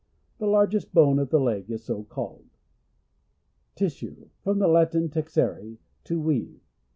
The largest bone of the leg is so called. Tissue. — From the Latin, texere, to weave.